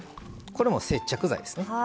これも接着剤ですね。